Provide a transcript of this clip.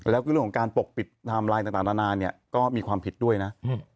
แล้วก็เรื่องของการปกปิดไทม์ไลน์ต่างนานาเนี่ยก็มีความผิดด้วยนะ